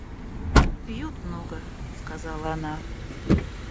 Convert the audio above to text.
Пьют много, — сказала она.